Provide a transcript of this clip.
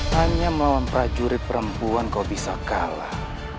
hanya melawan prajurit perempuan kau bisa kalah